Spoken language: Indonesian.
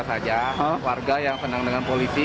saja warga yang senang dengan polisi